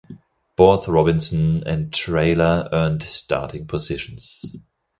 Both Robinson and Traylor earned starting positions.